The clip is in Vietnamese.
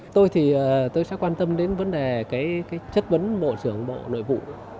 tôi sẽ quan tâm đến vấn đề chất vấn bộ trưởng bộ nội vụ